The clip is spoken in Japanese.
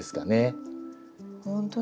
ほんとだ。